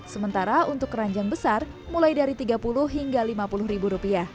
sementara untuk keranjang besar mulai dari rp tiga puluh hingga rp lima puluh